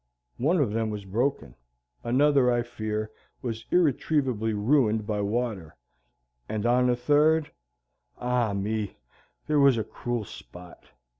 One of them was broken; another, I fear, was irretrievably ruined by water; and on the third ah me! there was a cruel spot.